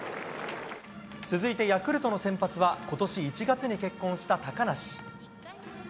続いて、ヤクルトの先発は今年１月に結婚した高梨。